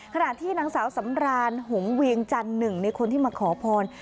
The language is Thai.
ขณะที่นางสาวสำรานหงเวียงจันทร์หนึ่งในคนที่มาขอพร